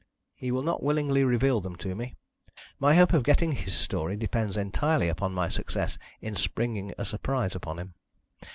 "He will not willingly reveal them to me. My hope of getting his story depends entirely upon my success in springing a surprise upon him.